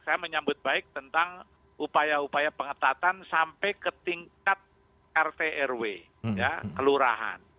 saya menyambut baik tentang upaya upaya pengetatan sampai ke tingkat rt rw kelurahan